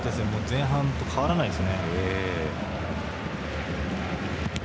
前半と変わらないですね。